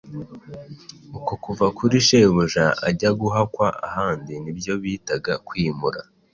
uko kuva kuri shebuja ajya guhakwa ahandi ni byo bitaga "kwimura".